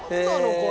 これ。